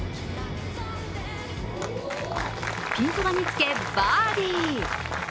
ピンそばにつけ、バーディー。